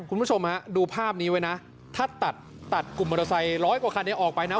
คุณผู้ชมฮะดูภาพนี้ไว้นะถ้าตัดตัดกลุ่มมอเตอร์ไซค์ร้อยกว่าคันนี้ออกไปนะ